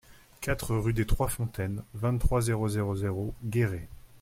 quatre rue des trois Fontaines, vingt-trois, zéro zéro zéro, Guéret